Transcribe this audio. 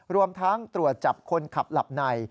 รวมทั้งตรวจจับคนขับหลับใน